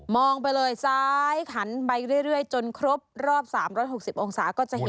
ไปเลยซ้ายหันไปเรื่อยจนครบรอบ๓๖๐องศาก็จะเห็น